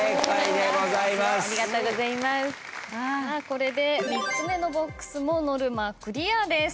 これで３つ目のＢＯＸもノルマクリアです。